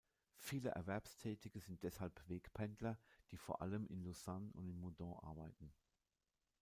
Viele Erwerbstätige sind deshalb Wegpendler, die vor allem in Lausanne und in Moudon arbeiten.